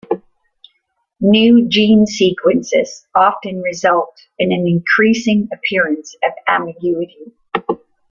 New gene sequences often result in an increasing appearance of ambiguity.